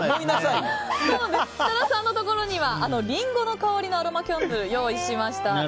設楽さんのところにはリンゴの香りのアロマキャンドル用意しました。